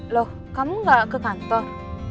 loh kamu gak ke kantor